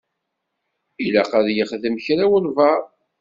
Ilaq ad yexdem kra walebɛaḍ.